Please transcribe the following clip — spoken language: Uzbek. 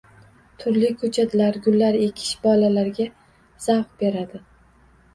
Turli ko‘chatlar, gullar ekish bolalarga zavq beradi.